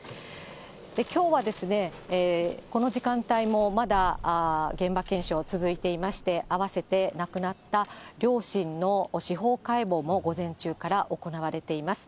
きょうはこの時間帯もまだ現場検証続いていまして、あわせて亡くなった両親の司法解剖も午前中から行われています。